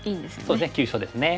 そうですね急所ですね。